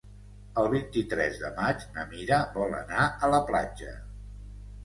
El vint-i-tres de maig na Mira vol anar a la platja.